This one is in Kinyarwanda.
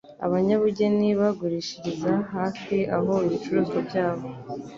Abanyabugeni bagurishiriza hafi aho ibyicuruzwa byabo